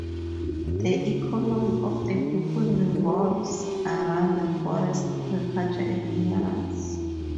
The economy of the people revolves round the forest, agriculture and minerals.